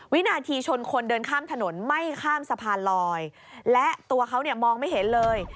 วินาทีชนคนเดินข้ามถนนไม่ข้ามสะพานลอยและตัวเขาเนี่ยมองไม่เห็นเลย